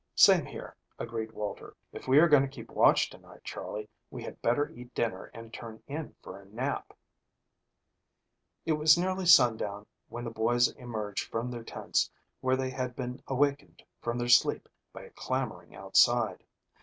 "Same here," agreed Walter. "If we are going to keep watch to night, Charley, we had better eat dinner and turn in for a nap." It was nearly sundown when the boys emerged from their tents where they had been awakened from their sleep by a clamoring outside.